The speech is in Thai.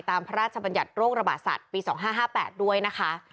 พระราชบัญญัติโรคระบาดสัตว์ปี๒๕๕๘ด้วยนะคะ